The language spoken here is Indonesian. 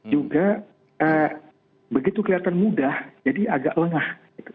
juga begitu kelihatan mudah jadi agak lengah